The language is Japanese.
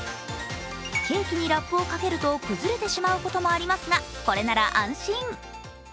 ケーキにラップをかけると崩れてしまうこともありますがこれなら安心。